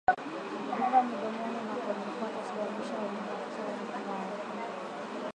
Vidonda midomoni na kwenye kwato husababisa wanyama kutoa harufu mbaya